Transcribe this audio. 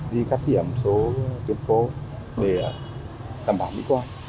đi khắp thỉa một số tiệm phố để thảm bảo mỹ qua